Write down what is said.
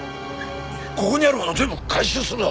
ここにあるもの全部回収するぞ。